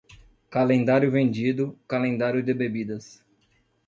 Calendário vendido, calendário de bebidas.